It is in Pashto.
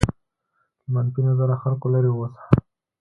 له منفي نظره خلکو لرې واوسه.